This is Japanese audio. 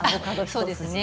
そうですね